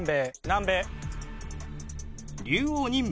南米。